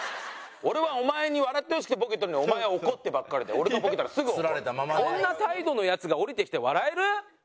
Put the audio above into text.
俺はお前に笑ってほしくてボケてるのにお前は怒ってばっかりでこんな態度のヤツが降りてきて笑える？